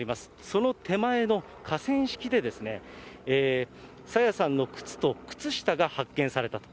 その手前の河川敷で、朝芽さんの靴と靴下が発見されたと。